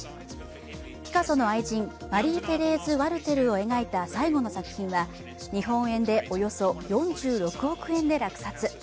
ピカソの愛人、マリーテレーズ・ワルテルを描いた最後の作品は日本円でおよそ４６億円で落札。